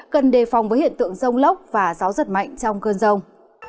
cần đề phòng với hiện tượng rông lốc và gió giật mạnh trong cơn rông